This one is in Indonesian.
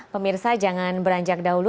pemirsa jangan beranjak dahulu